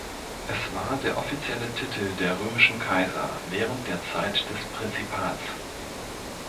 Es war der offizielle Titel der römischen Kaiser während der Zeit des Prinzipats.